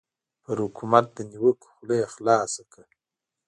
پر حکومت د نیوکو خوله یې خلاصه کړه.